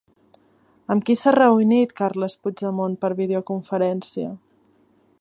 Amb qui s'ha reunit Carles Puigdemont per videoconferència?